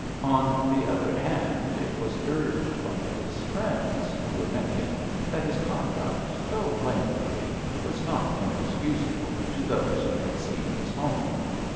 On the other hand, it was urged by his friends, who were many, that his conduct, though blameworthy, was not inexcusable to those who had seen his home.